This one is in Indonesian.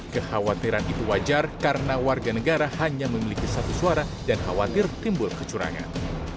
kekhawatiran itu wajar karena warga negara hanya memiliki satu suara dan khawatir timbul kecurangan